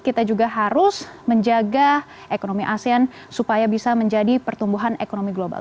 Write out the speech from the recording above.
kita juga harus menjaga ekonomi asean supaya bisa menjadi pertumbuhan ekonomi global